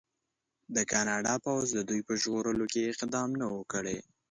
د کاناډا پوځ د دوی په ژغورلو کې اقدام نه و کړی.